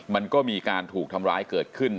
มันก็มีการถูกทำร้ายเกิดขึ้น